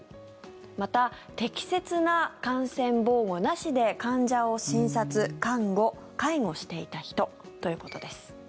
また、適切な感染防護なしで患者を診察、看護介護していた人ということです。